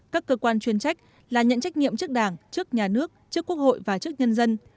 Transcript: các cơ quan chuyên trách là nhận trách nhiệm trước đảng trước nhà nước trước quốc hội và trước nhân dân